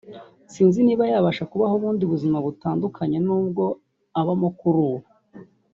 sinzi niba yabasha kubaho ubundi buzima butandukanye n’ubwo abamo kuri ubu”